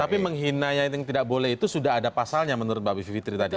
tapi menghina yang tidak boleh itu sudah ada pasalnya menurut mbak bivitri tadi